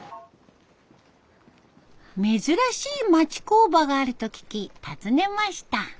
珍しい町工場があると聞き訪ねました。